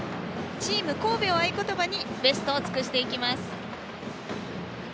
「チーム神戸！」を合言葉にベストを尽くしていきます。